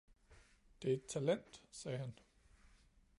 "Det er et Talent, sagde han."